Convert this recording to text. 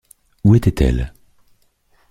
Où était-elle?